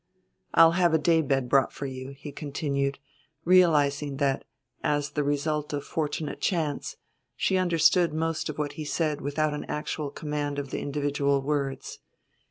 "I'll have a day bed brought for you," he continued, realizing that, as the result of fortunate chance, she understood most of what he said without an actual command of the individual words.